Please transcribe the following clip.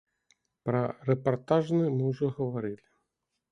Пра рэпартажны мы ўжо гаварылі.